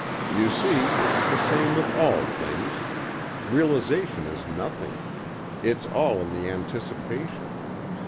"You see, it's the same with all things. Realization is nothing. It's all in the anticipation.